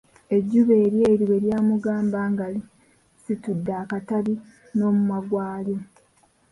Ejjuba eryeeru bwe lyamugamba, nga lisitudde akatabi n'omumwa gw'alyo.